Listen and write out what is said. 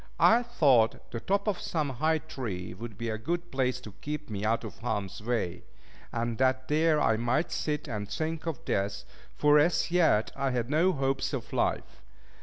I thought the top of some high tree would be a good place to keep me out of harm's way; and that there I might sit and think of death, for, as yet, I had no hopes of life.